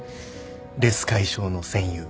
レス解消の戦友。